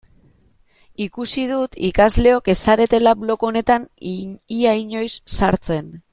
Ikusi dut ikasleok ez zaretela blog honetan ia inoiz sartzen.